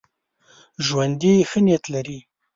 ژوندي ښه نیت لري